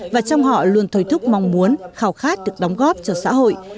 và trong họ luôn thôi thúc mong muốn khảo khát được đóng góp cho xã hội